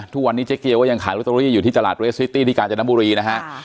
ทุกวันนี้เจ๊เกียวว่ายังขายลูกธรรมดีอยู่ที่ตลาดที่กาญจนบุรีนะฮะค่ะ